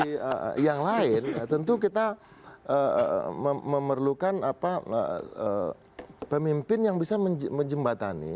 di yang lain tentu kita memerlukan pemimpin yang bisa menjembatani